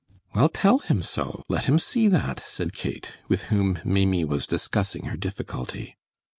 "Well, tell him so; let him see that," said Kate, with whom Maimie was discussing her difficulty.